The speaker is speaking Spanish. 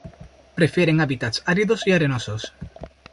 Prefieren hábitats áridos y arenosos.